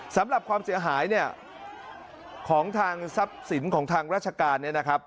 สำหรับความเสียหายเนี่ยของทางทรัพย์สินของทางราชการเนี่ยนะครับ